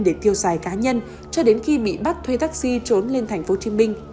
để tiêu xài cá nhân cho đến khi bị bắt thuê taxi trốn lên tp hcm